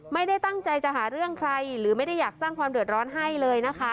ไม่ได้ตั้งใจจะหาเรื่องใครหรือไม่ได้อยากสร้างความเดือดร้อนให้เลยนะคะ